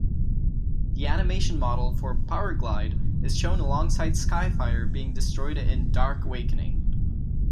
The animation model for Powerglide is shown alongside Skyfire being destroyed in "Dark Awakening".